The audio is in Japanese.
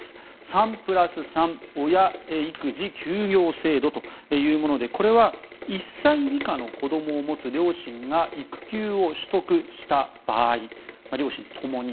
３＋３親育児休業制度というもので１歳以下の子供を持つ両親が育休を取得した場合両親ともに。